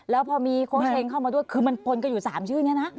แล้วพอมีโค้ชเฮงเข้ามาด้วยคือมันปนกันอยู่๓ชื่อนี้นะ